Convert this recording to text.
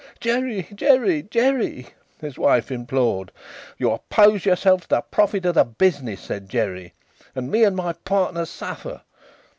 "Jerry, Jerry, Jerry!" his wife implored. "You oppose yourself to the profit of the business," said Jerry, "and me and my partners suffer.